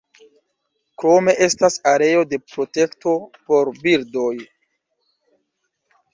Krome estas areo de protekto por birdoj.